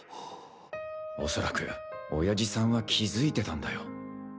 おそらく親父さんは気付いてたんだよ